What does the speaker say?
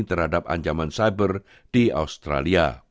terhadap ancaman cyber di australia